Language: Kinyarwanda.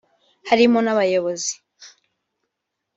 harimo n’abayobozi